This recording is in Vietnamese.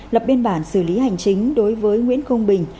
lập biên bản xử lý hành chính đối với nguyễn công bình